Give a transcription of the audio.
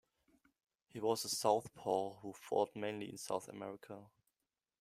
He was a southpaw who fought mainly in South America.